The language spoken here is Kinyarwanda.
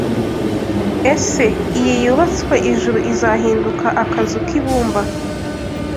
Ese iyi yubatswe ijuru izahinduka akazu k'ibumba